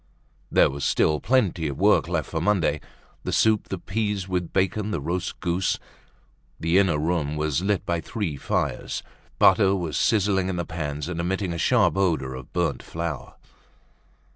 There was still plenty of work left for Monday: the soup, the peas with bacon, the roast goose. The inner room was lit by three fires. Butter was sizzling in the pans and emitting a sharp odor of burnt flour.